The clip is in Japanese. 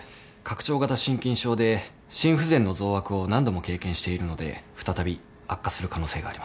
拡張型心筋症で心不全の増悪を何度も経験しているので再び悪化する可能性があります。